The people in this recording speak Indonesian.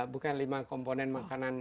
bukan lima komponen makanan